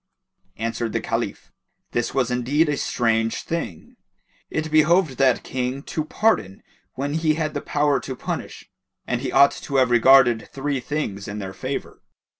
Answered the Caliph; "This was indeed a strange thing: it behoved that King to pardon when he had the power to punish; and he ought to have regarded three things in their favour.